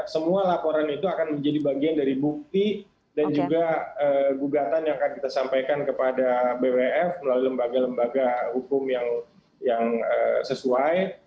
semua laporan itu akan menjadi bagian dari bukti dan juga gugatan yang akan kita sampaikan kepada bwf melalui lembaga lembaga hukum yang sesuai